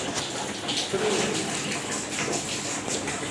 Spryudzīņs.